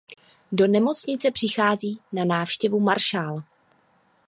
Do nemocnice přichází na návštěvu maršál.